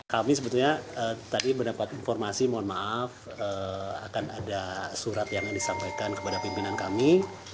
kami sebetulnya tadi mendapat informasi mohon maaf akan ada surat yang disampaikan kepada pimpinan kami